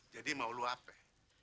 jadi mau lu apa